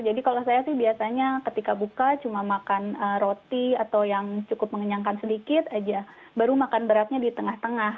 jadi kalau saya sih biasanya ketika buka cuma makan roti atau yang cukup mengenyangkan sedikit aja baru makan beratnya di tengah tengah